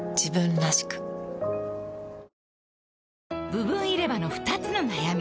部分入れ歯の２つの悩み